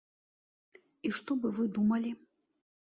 І што бы вы думалі?